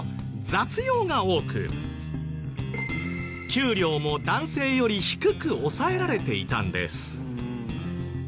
雑用が多く給料も男性より低く抑えられていたんです。